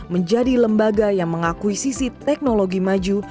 menjadi lembaga yang mengakui sisi teknologi maju